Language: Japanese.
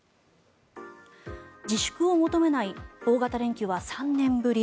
自粛を求めない大型連休は３年ぶり。